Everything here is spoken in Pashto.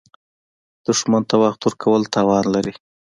دښمن ته وخت ورکول تاوان لري